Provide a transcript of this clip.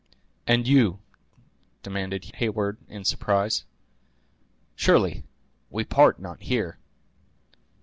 "And you!" demanded Heyward, in surprise; "surely we part not here?"